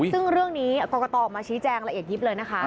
ซึ่งเรื่องนี้กรกตออกมาชี้แจงละเอียดยิบเลยนะคะ